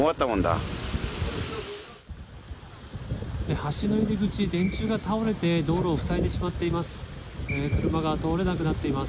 橋の入り口で電柱が倒れて、道路を塞いでしまっています。